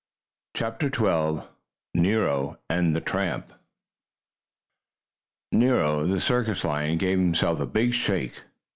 CHAPTER XII NERO AND THE TRAMP Nero, the circus lion, gave himself a big shake.